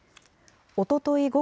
おととい